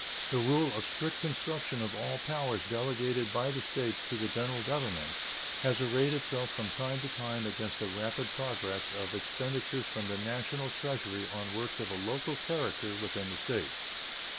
The rule of strict construction of all powers delegated by the States to the General Government has arrayed itself from time to time against the rapid progress of expenditures from the National Treasury on works of a local character within the States.